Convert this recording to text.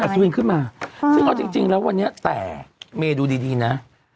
สุวินขึ้นมาซึ่งเอาจริงแล้ววันนี้แต่เมย์ดูดีนะ